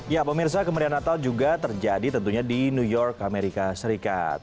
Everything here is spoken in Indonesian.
ya pemirsa kemerian natal juga terjadi tentunya di new york amerika serikat